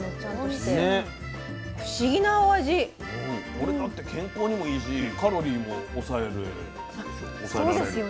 これだって健康にもいいしカロリーも抑えれるでしょ？